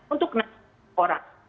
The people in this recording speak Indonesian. untuk enam orang